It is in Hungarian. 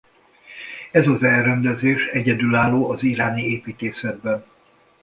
Ez az elrendezés egyedülálló az iráni építészetben.